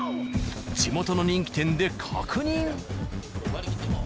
地元の人気店で確認。